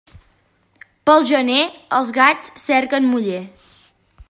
Pel gener els gats cerquen muller.